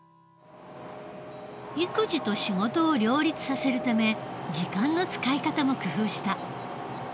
育児と仕事を両立させるため時間の使い方も工夫した。